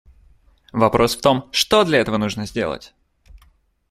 Вопрос в том, что для этого нужно сделать.